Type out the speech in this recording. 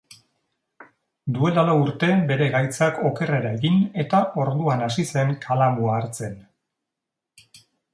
Duela lau urte bere gaitzak okerrera egin eta orduan hasi zen kalamua hartzen.